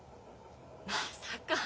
まさか。